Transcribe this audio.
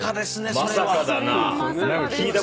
まさかだな。